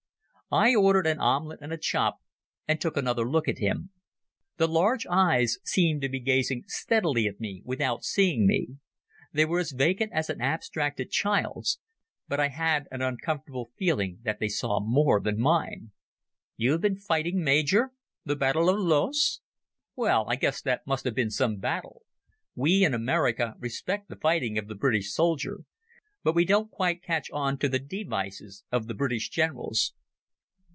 I ordered an omelette and a chop, and took another look at him. The large eyes seemed to be gazing steadily at me without seeing me. They were as vacant as an abstracted child's; but I had an uncomfortable feeling that they saw more than mine. "You have been fighting, Major? The Battle of Loos? Well, I guess that must have been some battle. We in America respect the fighting of the British soldier, but we don't quite catch on to the de vices of the British Generals.